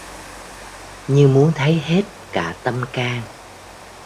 Như muốn thấy hết cả tâm can